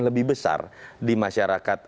lebih besar di masyarakat